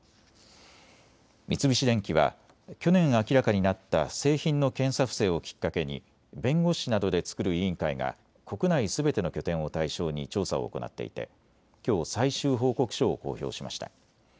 三菱電機は去年明らかになった製品の検査不正をきっかけに弁護士などで作る委員会が国内すべての拠点を対象に調査を行っていて、きょう最終報告書を公表しました。